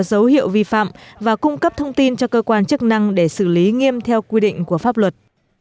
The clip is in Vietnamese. dấu hiệu vi phạm và cung cấp thông tin cho cơ quan chức năng để xử lý nghiêm theo quy định của pháp luật